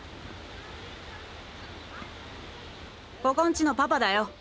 ここんちのパパだよ。